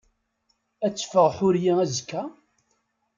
Ad teffeɣ Ḥuriya azekka?